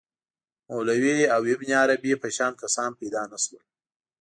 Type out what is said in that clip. مولوی او ابن عربي په شان کسان پیدا نه شول.